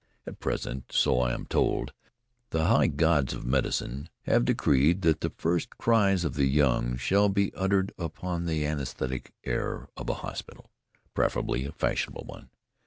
At present, so I am told, the high gods of medicine have decreed that the first cries of the young shall be uttered upon the anaesthetic air of a hospital, preferably a fashionable one.